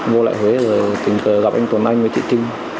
vô lại huế rồi tình cờ gặp anh tuấn anh